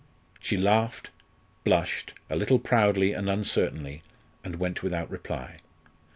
She laughed, blushed, a little proudly and uncertainly, and went without reply.